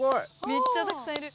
めっちゃたくさんいる。